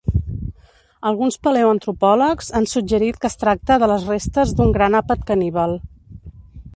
Alguns paleoantropòlegs han suggerit que es tracta de les restes d'un gran àpat caníbal.